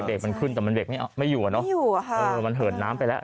ไฟเบรกมันขึ้นแต่มันเบรกไม่อยู่มันเหิดน้ำไปแล้ว